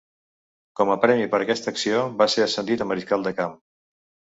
Com a premi per aquesta acció va ser ascendit a mariscal de camp.